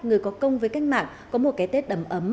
nó cũng sẽ mai một đi